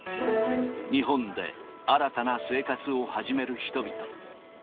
日本で新たな生活を始める人々。